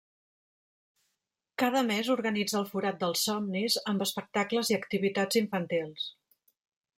Cada mes organitza el Forat dels Somnis, amb espectacles i activitats infantils.